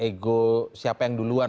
ego siapa yang duluan